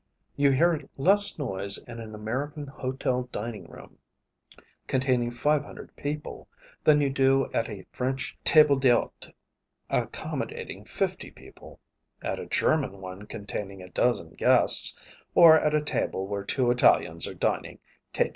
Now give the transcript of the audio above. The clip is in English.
You hear less noise in an American hotel dining room containing five hundred people, than you do at a French table d'h√īte accommodating fifty people, at a German one containing a dozen guests, or at a table where two Italians are dining tête à tête.